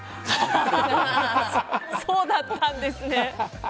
そうだったんですね。